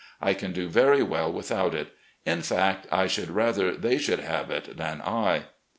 I can do very well without it. In fact, I should rather they should have it than I.